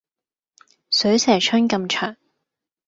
水蛇春咁長